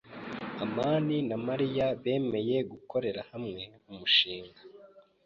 amani na Mariya bemeye gukorera hamwe umushinga.